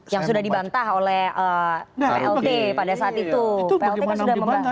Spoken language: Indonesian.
yang sudah dibantah oleh plt pada saat itu